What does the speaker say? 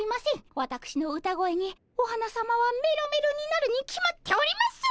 わたくしの歌声にお花さまはメロメロになるに決まっております！